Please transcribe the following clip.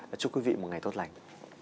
và chúc quý vị một ngày tốt lành